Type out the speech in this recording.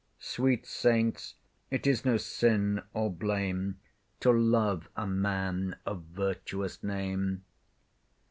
Sweet saints, it is no sin or blame To love a man of virtuous name.